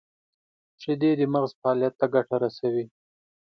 • شیدې د مغز فعالیت ته ګټه رسوي.